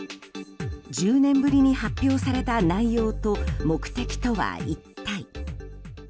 １０年ぶりに発表された内容と目的とは一体。